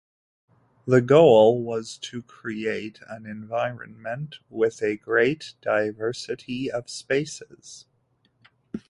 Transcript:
The goal was to create an environment with a great diversity of spaces.